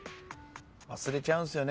忘れちゃうんすよね